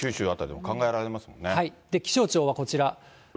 もん気象庁はこちら。